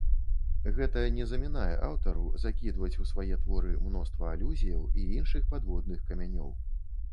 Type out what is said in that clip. Гэта не замінае аўтару закідваць у свае творы мноства алюзіяў і іншых падводных камянёў.